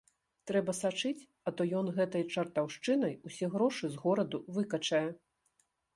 Трэба сачыць, а то ён гэтай чартаўшчынай усе грошы з гораду выкачае.